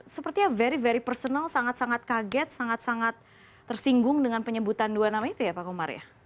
sepertinya very very personal sangat sangat kaget sangat sangat tersinggung dengan penyebutan dua nama itu ya pak komar ya